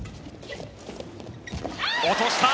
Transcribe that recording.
落とした！